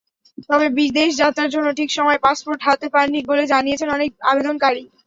তবে বিদেশযাত্রার জন্য ঠিক সময়ে পাসপোর্ট হাতে পাননি বলে জানিয়েছেন অনেক আবেদনকারী।